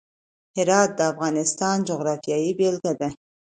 هرات د افغانستان د جغرافیې بېلګه ده.